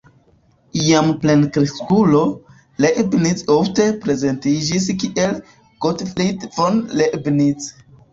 Jam plenkreskulo, Leibniz ofte prezentiĝis kiel "Gottfried von Leibniz".